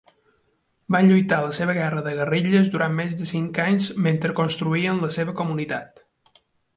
Van lluitar la seva guerra de guerrilles durant més de cinc anys mentre construïen la seva comunitat.